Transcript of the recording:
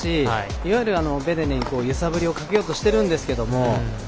いわゆる、ベデネに揺さぶりをかけようとしてるんですけど。